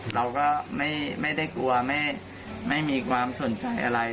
เราก็ไม่ได้กลัวไม่มีความสนใจอะไร